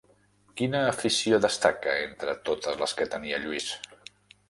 Quina afició destaca entre totes les que tenia Lluís?